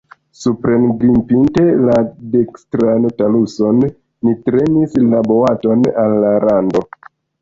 Suprengrimpinte la dekstran taluson, ni trenis la boaton al la rando.